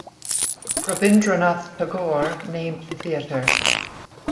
Rabindranath Tagore named the theatre.